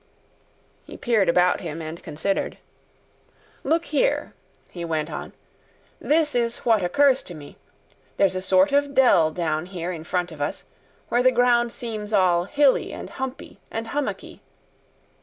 He peered about him and considered. "Look here," he went on, "this is what occurs to me. There's a sort of dell down here in front of us, where the ground seems all hilly and humpy and hummocky.